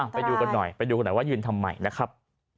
ไปดูกันหน่อยไปดูกันหน่อยว่ายืนทำไมนะครับ